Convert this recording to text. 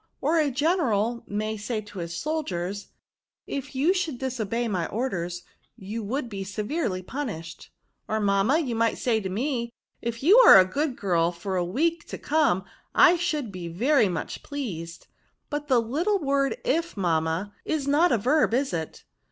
Or a general may say to his soldiers, ' If you should disobey my orders, you would be severely punished.' "" Or, mamma, you might say to me, * If you are a good girl for a week to come, I should be very much pleased.* But the little word ify mamma, is not a verb, is it?"